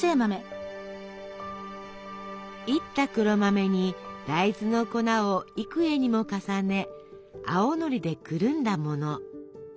いった黒豆に大豆の粉を幾重にも重ね青のりでくるんだもの。